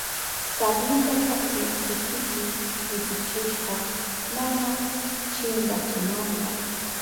Sablinta kaspi sikipi pitichishka mana chinkachinanpa.